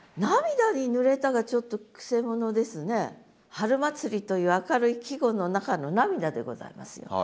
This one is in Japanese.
春祭りという明るい季語の中の涙でございますよ。